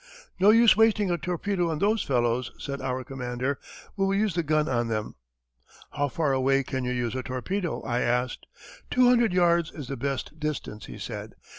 "No use wasting a torpedo on those fellows," said our commander. "We will use the gun on them." "How far away can you use a torpedo?" I asked. "Two hundred yards is the best distance," he said.